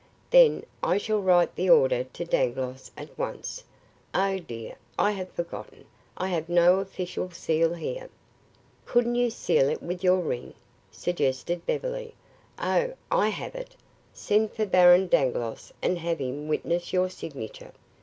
"Then I shall write the order to Dangloss at once. Oh, dear, I have forgotten, I have no official seal here." "Couldn't you seal it with your ring?" suggested Beverly. "Oh, I have it! Send for Baron Dangloss and have him witness your signature.